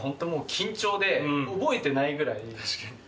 緊張で覚えてないぐらい。